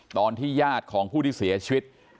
ตอนที่ญาติของผู้ที่เสียชีวิต